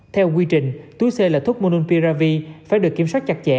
theo quy trình túi c là thuốc monompiravi phải được kiểm soát chặt chẽ